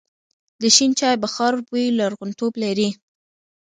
د شین چای بخار بوی لرغونتوب لري.